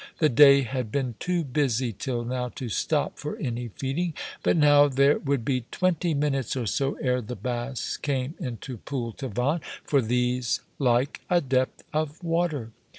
The day had been too busy till now to stop for any feeding; but now there would be twenty minutes or so ere the bass came into Pool Tavan, for these like a depth of water.